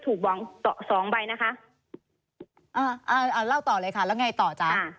ถูก๒ใบนะคะเล่าต่อเลยค่ะแล้วไงต่อจ๊ะ